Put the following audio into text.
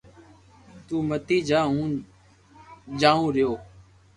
تو متي جا ھون جاو رھيو